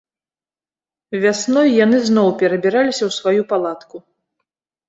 Вясной яны зноў перабіраліся ў сваю палатку.